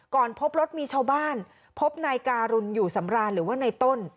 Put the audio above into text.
พบรถมีชาวบ้านพบนายการุณอยู่สำราญหรือว่าในต้น